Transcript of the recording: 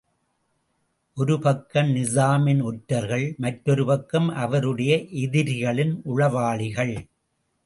ஒரு பக்கம் நிசாமின் ஒற்றர்கள் மற்றொரு பக்கம் அவருடைய எதிரிகளின் உளவாளிகள்.